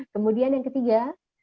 kemudian yang ketiga